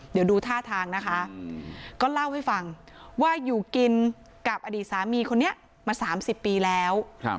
เดี๋ยวดูท่าทางนะคะก็เล่าให้ฟังว่าอยู่กินกับอดีตสามีคนนี้มา๓๐ปีแล้ว